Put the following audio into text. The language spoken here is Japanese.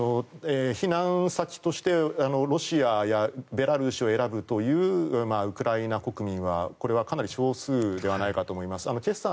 避難先としてロシアやベラルーシを選ぶというウクライナ国民はこれはかなり少数ではないかと思います。